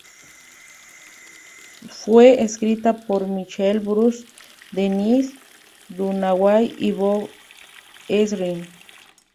Fue escrita por Michael Bruce, Dennis Dunaway y Bob Ezrin.